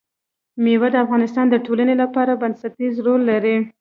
مېوې د افغانستان د ټولنې لپاره بنسټيز رول لري.